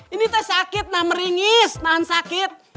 enggak bener enggak